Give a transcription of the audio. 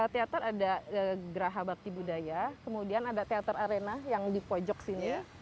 teater ada geraha bakti budaya kemudian ada teater arena yang di pojok sini